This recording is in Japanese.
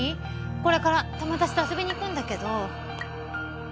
これから友達と遊びに行くんだけど。